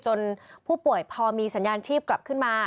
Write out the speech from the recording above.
ผู้ป่วยพอมีสัญญาณชีพกลับขึ้นมา